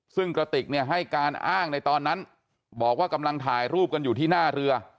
ซึ่งกระติกเนี่ยให้การอ้างในตอนนั้นบอกว่ากำลังถ่ายรูปกันอยู่ที่หน้าเรือ